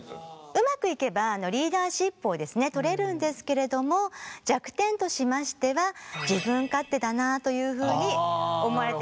うまくいけばリーダーシップをですね取れるんですけれども弱点としましては自分勝手だなというふうに思われてしまう可能性もあります。